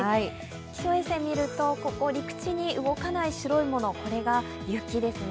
気象衛星を見ると、ここ、陸地に動かない白いもの、これが雪ですね。